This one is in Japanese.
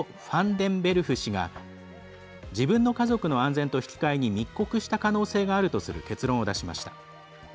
ファンデンベルフ氏が自分の家族の安全と引き換えに密告した可能性があるとする結論を出しました。